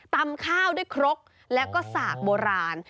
ข้าวด้วยครกแล้วก็สากโบราณ